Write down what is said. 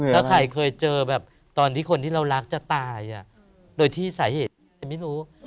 แล้วใครเคยเจอแบบตอนที่คนที่เรารักจะตายโดยที่สาเหตุไม่รู้